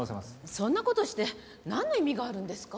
そんな事してなんの意味があるんですか？